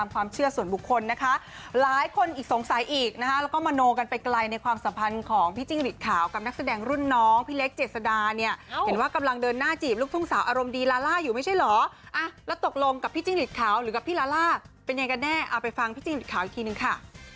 เป็นยังไงกันแน่เอาไปฟังพี่จิ้งฤทธิ์ขาวอีกทีหนึ่งค่ะ